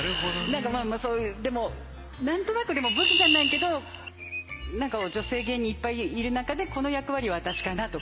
何かまあまあそういうでも何となくでも武器じゃないけど何か女性芸人いっぱいいる中でこの役割は私かな？とか。